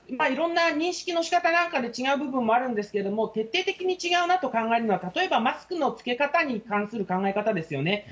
いろんな認識のしかたなんかで違う部分もあるんですけど、決定的に違うなと考えるのは、例えばマスクの着け方に関する考え方ですよね。